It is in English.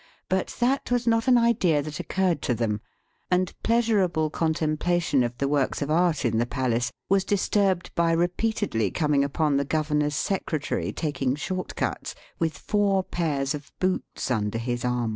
But that was not an idea that occurred to them, and pleasurable contemplation of the works of art in the palace was disturbed by repeatedly coming upon the governor's secretary taking short cuts with four pairs of boots under his arm.